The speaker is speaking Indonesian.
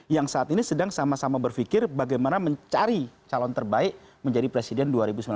yang saat ini sedang sama sama berpikir bagaimana mencari calon terbaik menjadi presiden dua ribu sembilan belas